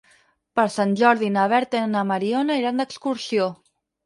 Per Sant Jordi na Berta i na Mariona iran d'excursió.